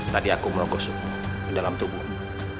tadi aku merokok suku di dalam tubuhmu